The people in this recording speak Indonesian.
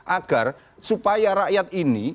agar supaya rakyat ini